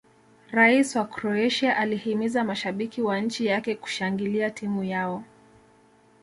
rais wa croatia alihimiza mashabiki wa nchi yake kushangilia timu yao